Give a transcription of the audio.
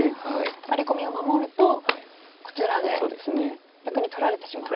ワリ込みを守るとこちらで逆に取られてしまうと。